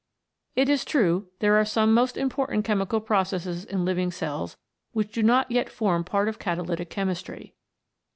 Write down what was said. It is true, there are some most important chemi cal processes in living cells which do not yet form part of catalytic chemistry.